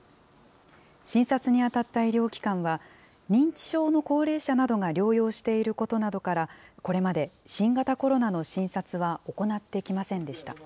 診察に当たった医療機関は、認知症の高齢者などが療養していることなどから、これまで新型コロナの診察は行ってきませんでした。